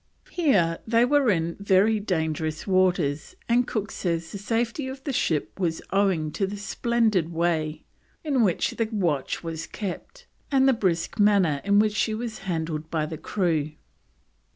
Here they were in very dangerous waters, and Cook says the safety of the ship was owing to the splendid way in which the watch was kept, and the brisk manner in which she was handled by the crew.